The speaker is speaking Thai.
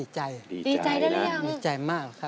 ใช่ดีใจมากค่ะ